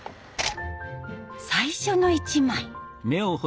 最初の一枚。